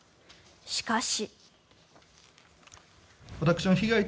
しかし。